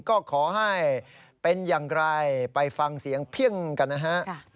ก็ขอให้เป็นอย่างไรไปฟังเสียงเพียงกันนะฮะ